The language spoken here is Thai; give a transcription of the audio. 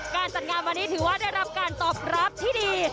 การจัดงานวันนี้ถือว่าได้รับการตอบรับที่ดี